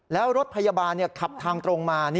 แล้วรถพยาบาลขับทางตรงมา